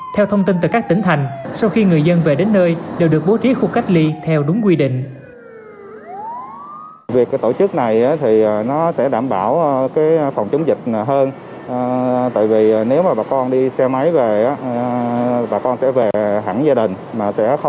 theo thông tin từ các tỉnh thành sau khi người dân về đến nơi đều được bố trí khu cách ly theo đúng quy định